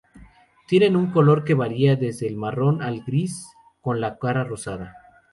Tienen un color que varía desde el marrón al gris, con la cara rosada.